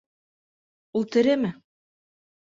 - Ул тереме?